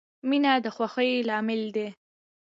• مینه د خوښۍ لامل دی.